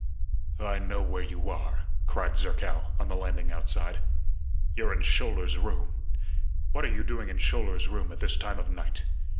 "I know where you are," cried Zerkow, on the landing outside. "You're in Schouler's room. What are you doing in Schouler's room at this time of night?